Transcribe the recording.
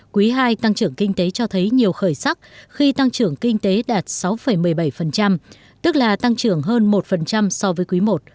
quý ii tăng trưởng kinh tế cho thấy nhiều khởi sắc khi tăng trưởng kinh tế đạt sáu một mươi bảy tức là tăng trưởng hơn một so với quý i